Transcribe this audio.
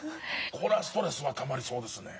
これはストレスがたまりそうですね。